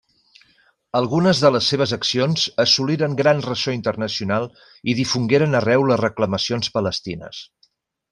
Algunes de les seves accions assoliren gran ressò internacional i difongueren arreu les reclamacions palestines.